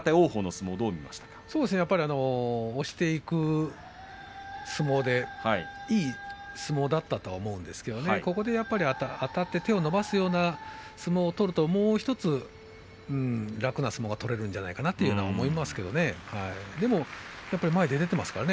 押していく相撲でいい相撲だったと思うんですけれど、ここであたって手を伸ばすような相撲を取ると、もう１つ楽な相撲が取れるんじゃないかなと思いますけどね。